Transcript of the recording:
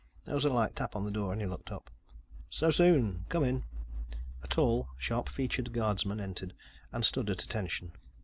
There was a light tap on the door and he looked up. "So soon? Come in." A tall, sharp featured guardsman entered and stood at attention.